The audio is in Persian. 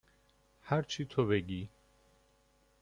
هرچی تو بگی.